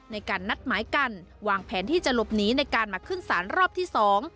ในการนัดหมายกันวางแผนที่จะหลบหนีในการมาขึ้นศาลรอบที่สอง